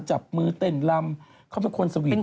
จับมือเต้นลำเขาเป็นคนสวีท